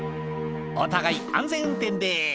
「お互い安全運転で」